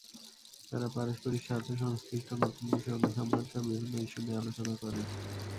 তারা পারস্পরিক স্বার্থসংশ্লিষ্ট নতুন বিষয় অনুসন্ধানসহ বিভিন্ন ইস্যু নিয়ে আলোচনা করেন।